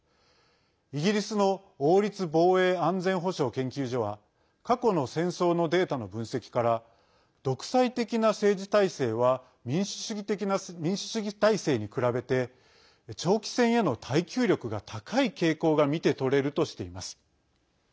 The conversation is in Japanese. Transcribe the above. イギリスの王立防衛安全保障研究所は過去の戦争のデータの分析から独裁的な政治体制は民主主義体制に比べて長期戦への耐久力が高い傾向が見て取れるとしています。